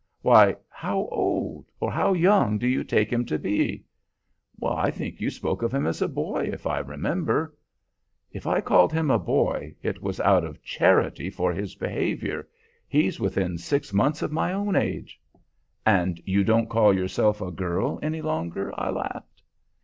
"Why, how old, or how young, do you take him to be?" "I think you spoke of him as a boy, if I remember." "If I called him a boy, it was out of charity for his behavior. He's within six months of my own age." "And you don't call yourself a girl any longer!" I laughed.